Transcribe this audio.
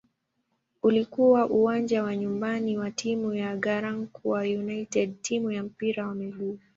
Ulikuwa uwanja wa nyumbani wa timu ya "Garankuwa United" timu ya mpira wa miguu.